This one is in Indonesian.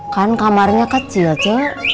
kan kamarnya kecil ce